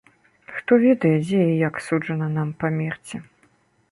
Хто ведае, дзе і як суджана нам памерці?